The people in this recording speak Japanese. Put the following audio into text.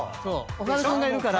岡田君がいるから。